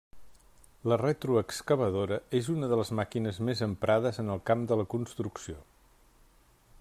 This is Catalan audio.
La retroexcavadora és una de les màquines més emprades en el camp de la construcció.